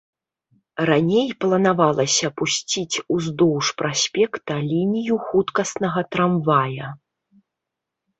Раней планавалася пусціць уздоўж праспекта лінію хуткаснага трамвая.